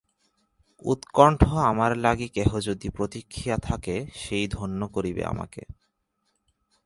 উৎকণ্ঠ আমার লাগি কেহ যদি প্রতীক্ষিয়া থাকে সেই ধন্য করিবে আমাকে।